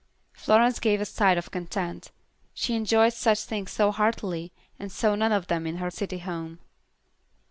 Florence gave a sigh of content. She enjoyed such things so heartily, and saw none of them in her city home.